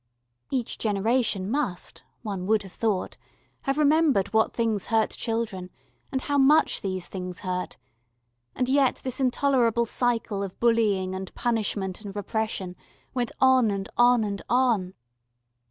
Each generation must, one would have thought, have remembered what things hurt children and how much these things hurt, and yet this intolerable cycle of bullying and punishment and repression went on and on and on.